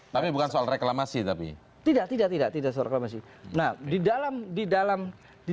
tapi bukan soal reklamasi tapi tidak tidak tidak tidak sudah kalau masih nah di dalam di dalam di